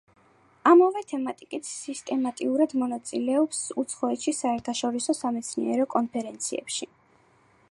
ამავე თემატიკით სისტემატურად მონაწილეობს უცხოეთში საერთაშორისო სამეცნიერო კონფერენციებში.